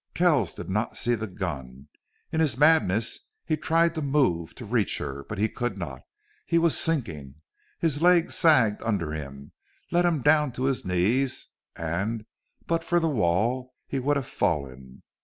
Kells did not see the gun. In his madness he tried to move, to reach her, but he could not; he was sinking. His legs sagged under him, let him down to his knees, and but for the wall he would have fallen.